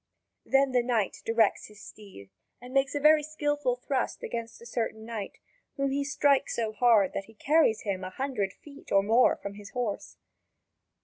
Then the knight directs his steed and makes a very skilful thrust against a certain knight, whom he strikes so hard that he carries him a hundred feet or more from his horse.